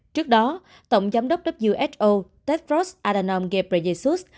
trước đó tổng giám đốc who tedros adhanom ghebreyesus